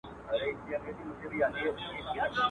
ده هم آس كړ پسي خوشي په ځغستا سو.